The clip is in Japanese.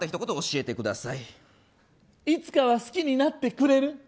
いつかは好きになってくれる？